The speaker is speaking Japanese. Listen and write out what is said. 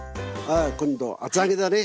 あ今度厚揚げだね。